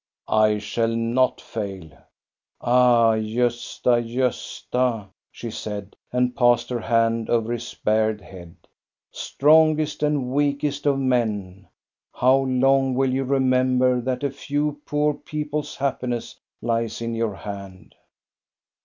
" I shall not fail." " Ah, Gosta, Gosta," she said, and passed her hand over his bared head, " strongest and weakest of men ! How long will you remember that a few poor people's happiness lies in your hand